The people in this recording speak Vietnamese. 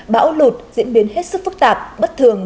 bão lụt diễn biến hết sức phức tạp bất thường